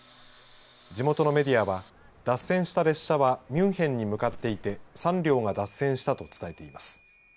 地元のメディアは脱線した列車はミュンヘンに向かっていて３両が脱線したと伝えています。